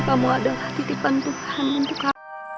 sampai jumpa di video selanjutnya